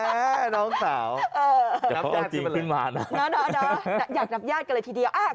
แม่น้องสาวอยากนับญาติกันเลยทีเดียว